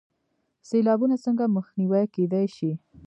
سیلابونه څنګه مخنیوی کیدی شي؟